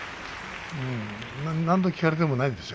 何度聞かれてもないですよ。